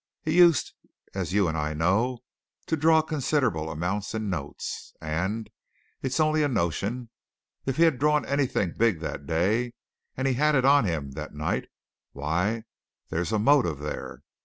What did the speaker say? He used, as you and I know, to draw considerable amounts in notes. And it's only a notion if he'd drawn anything big that day, and he had it on him that night, why, there's a motive there.